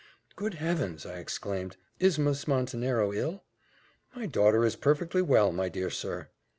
"Good Heavens!" I exclaimed, "is Miss Montenero ill?" "My daughter is perfectly well, my dear sir."